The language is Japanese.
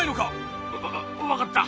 わ分かった！